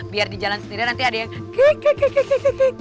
biar di jalan sendirian nanti ada yang kek kek kek